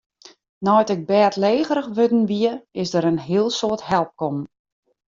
Nei't ik bêdlegerich wurden wie, is der in heel soad help kommen.